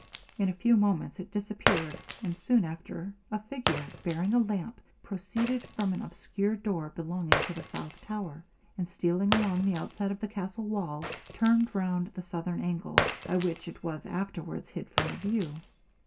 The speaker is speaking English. In a few moments it disappeared, and soon after a figure, bearing a lamp, proceeded from an obscure door belonging to the south tower; and stealing along the outside of the castle walls, turned round the southern angle, by which it was afterwards hid from the view.